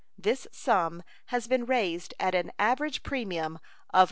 This sum has been raised at an average premium of $5.